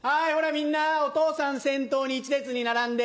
みんなお父さん先頭に１列に並んで。